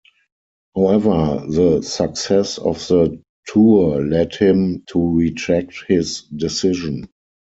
However, the success of the tour led him to retract his decision.